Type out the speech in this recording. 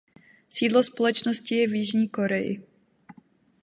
Sídlo společnosti je v Jižní Koreji.